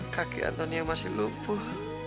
kaki antoni yang masih lumpuh